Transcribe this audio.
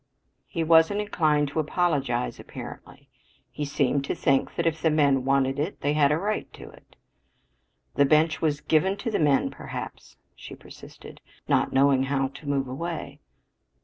He wasn't inclined to apologize apparently; he seemed to think that if the men wanted it they had a right to it. "This bench was given to the men, perhaps?" she persisted, not knowing how to move away.